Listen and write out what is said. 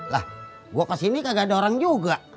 lah gua kesini kagak ada orang juga